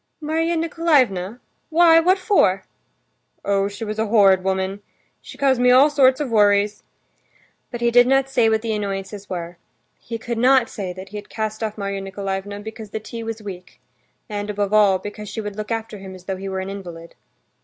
"Marya Nikolaevna? Why, what for?" "Oh, she was a horrid woman! She caused me all sorts of worries." But he did not say what the annoyances were. He could not say that he had cast off Marya Nikolaevna because the tea was weak, and, above all, because she would look after him, as though he were an invalid.